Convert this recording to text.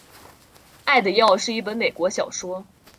爱的药是一本美国小说。